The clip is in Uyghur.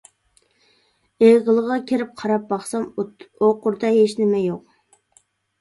ئېغىلغا كىرىپ قاراپ باقسام، ئوقۇردا ھېچنېمە يوق.